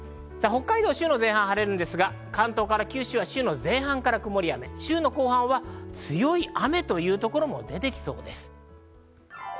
北海道は週の前半は晴れるんですが、関東から九州は週の前半から曇りや雨、週の後半は強い雨というところも出てきそうです。